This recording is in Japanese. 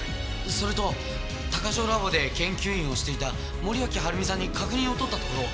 それと鷹城ラボで研究員をしていた森脇治美さんに確認を取ったところ。